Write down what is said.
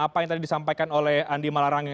apa yang tadi disampaikan oleh andi malarange